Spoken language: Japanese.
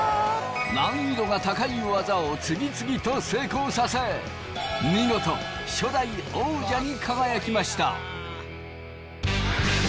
難易度が高い技を次々と成功させ見事初代王者に輝きました。